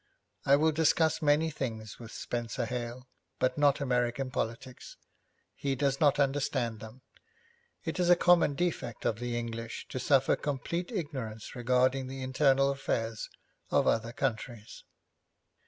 I will discuss many things with Spenser Hale, but not American politics; he does not understand them. It is a common defect of the English to suffer complete ignorance regarding the internal affairs of other countries.